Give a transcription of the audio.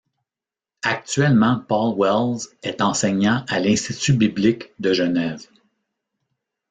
Actuellement Paul Wells est enseignant à l'Institut Biblique de Genève.